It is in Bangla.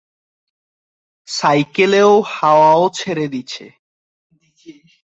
সাইকেলেও হাওয়াও ছেড়ে দিছে।